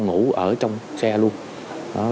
ngủ ở trong xe luôn